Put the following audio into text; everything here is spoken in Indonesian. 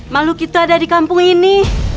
malu kita ada di kampung ini